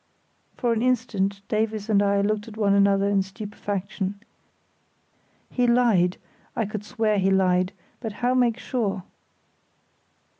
For an instant Davies and I looked at one another in stupefaction. He lied—I could swear he lied; but how make sure?